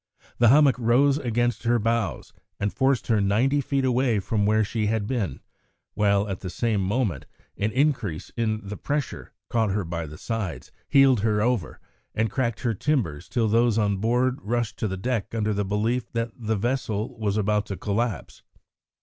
The hummock rose against her bows and forced her ninety feet away from where she had been, while, at the same moment, an increase in the pressure caught her by the sides, heeled her over, and cracked her timbers till those on board rushed to the deck under the belief that the vessel was about to collapse.